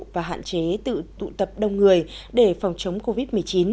và hạn chế tự tụ tập đông người để phòng chống covid một mươi chín